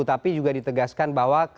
tapi juga ditegaskan bahwa